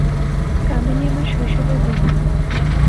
কামিনী আমার শৈশবের বন্ধু।